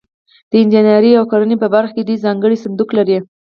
د انجنیري او کرنې په برخه کې دوی ځانګړی صندوق لري.